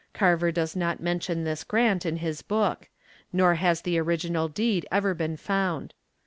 Carver does not mention this grant in his book, nor has the original deed ever been found.